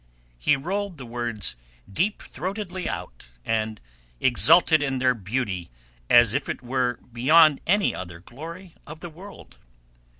He rolled the words deep throatedly out, and exulted in their beauty as if it were beyond any other glory of the world.